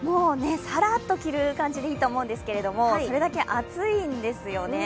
さらっと着る感じでいいと思うんですけどそれだけ暑いんですよね。